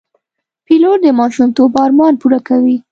پیلوټ د ماشومتوب ارمان پوره کوي.